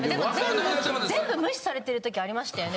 全部無視されてる時ありましたよね